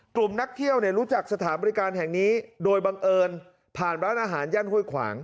กลุ่มนักเที่ยวรู้จักสถานบริการแห่งนี้โดยบังเอิญผ่านร้านอาหารย่านห้วยขวาง